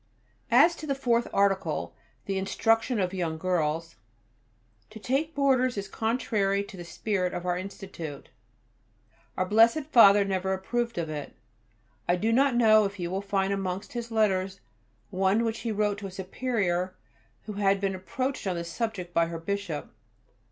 As to the Fourth Article, the instruction of young girls. To take boarders is contrary to the spirit of our Institute. Our Blessed Father never approved of it. I do not know if you will find amongst his letters one which he wrote to a superior who had been approached on this subject by her Bishop.